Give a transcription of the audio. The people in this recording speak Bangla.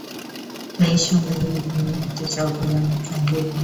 তুমি এর সঙ্গে যদি ভিন্ন হতে চাও তবে আমার সঙ্গেও ভিন্ন হবে।